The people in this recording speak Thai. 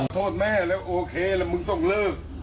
โทษแม่แล้วโอเคแล้วมึงต้องเลิก